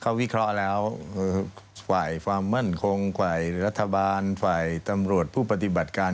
เขาวิเคราะห์แล้วฝ่ายความมั่นคงฝ่ายรัฐบาลฝ่ายตำรวจผู้ปฏิบัติการ